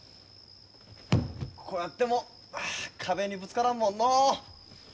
こうやっても壁にぶつからんもんのう。